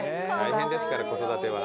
大変ですから子育ては。